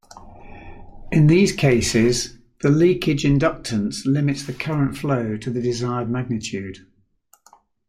In these cases, the leakage inductance limits the current flow to the desired magnitude.